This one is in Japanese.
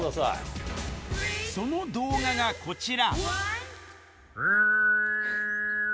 その動画がこちら。